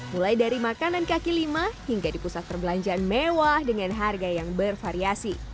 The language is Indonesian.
mulai dari makanan kaki lima hingga di pusat perbelanjaan mewah dengan harga yang bervariasi